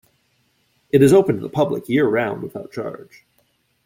It is open to the public year-round without charge.